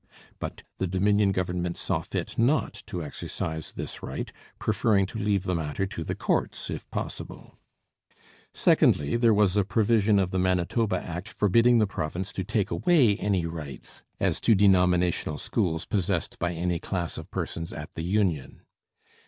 But the Dominion Government saw fit not to exercise this right, preferring to leave the matter to the courts, if possible. Secondly, there was the provision of the Manitoba Act forbidding the province to take away any rights as to denominational schools possessed by any class of persons at the union.